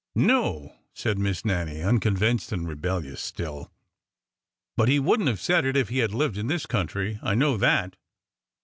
No," said Miss Nannie, unconvinced and rebellious still ;" but he would n't have said it if he had lived in this country. I know that